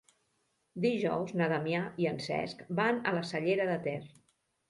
Dijous na Damià i en Cesc van a la Cellera de Ter.